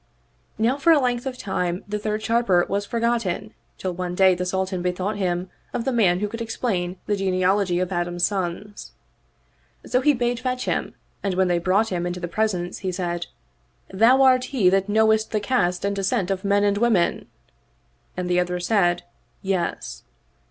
Now for a length of time the third Sharper was forgotten till one day the Sultan bethought him of the man who could explain the genealogy of Adam's sons. So he bade fetch him and when they brought him into the presence he said, " Thou art he that knowest the caste and descent of men and women? " and the other said, " Yes."